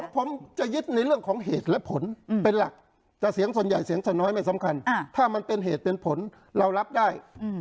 ผมจะยึดในเรื่องของเหตุและผลเป็นหลักแต่เสียงส่วนใหญ่เสียงส่วนน้อยไม่สำคัญถ้ามันเป็นเหตุเป็นผลเรารับได้